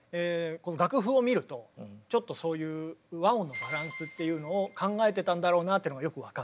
楽譜を見るとちょっとそういう和音のバランスっていうのを考えてたんだろうなっていうのがよく分かる。